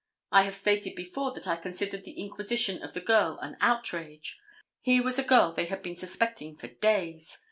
I have stated before that I considered the inquisition of the girl an outrage. Here was a girl they had been suspecting for days.